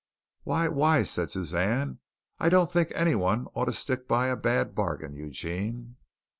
"Why, why," said Suzanne, "I don't think anyone ought to stick by a bad bargain, Eugene."